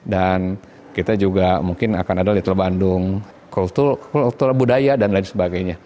dan kita juga mungkin akan ada little bandung kultur budaya dan lain sebagainya